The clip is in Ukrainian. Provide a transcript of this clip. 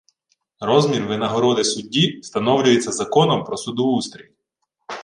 Розмір винагороди судді встановлюється законом про судоустрій.